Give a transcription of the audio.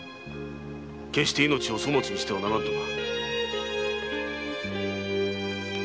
「決して命を粗末にしてはならぬ」とな。